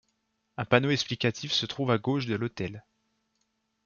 Un panneau explicatif se trouve à gauche de l'autel.